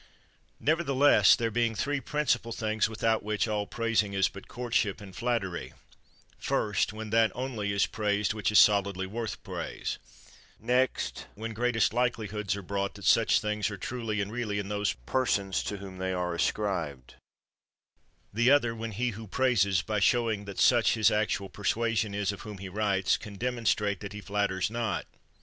Nevertheless there being three principal things without which all praising is but courtship and flattery : first, when that only is praised which is solidly worth praise; next, when greatest likeli hoods are brought that such things are truly and really in those persons to whom they are ascribed; the other, when he who praises, by showing that such his actual persuasion is of whom he writes, can demonstrate that he flatters not.